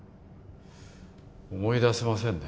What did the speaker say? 思い出せませんね